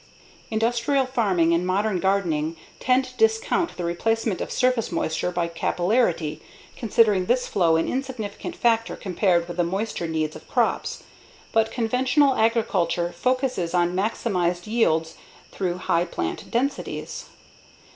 _ Industrial farming and modern gardening tend to discount the replacement of surface moisture by capillarity, considering this flow an insignificant factor compared with the moisture needs of crops. But conventional agriculture focuses on maximized yields through high plant densities.